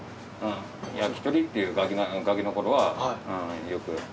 焼き鳥っていうガキのころはよく。